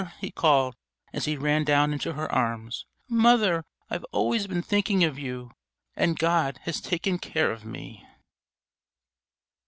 he called, as he ran down into her arms. "Mother, I've always been thinking of you, and God has taken care of me."